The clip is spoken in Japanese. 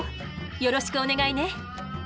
よろしくお願いね。